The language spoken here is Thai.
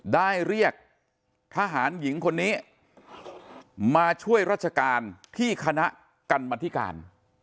ได้เรียกทหารหญิงคนนี้มาช่วยราชการที่คณะกรรมธิการ